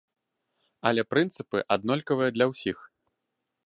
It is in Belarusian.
Але прынцыпы аднолькавыя для ўсіх.